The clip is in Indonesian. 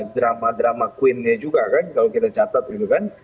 dramanya queen nya juga kan kalau kita catat gitu kan